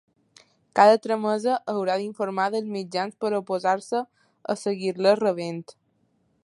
Cada tramesa haurà d’informar dels mitjans per oposar-se a seguir-les rebent.